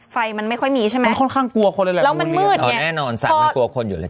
ไฟมันไม่ค่อยมีใช่ไหมมันค่อนข้างกลัวคนเลยแหละแล้วมันมืดอ๋อแน่นอนสระมันกลัวคนอยู่เลย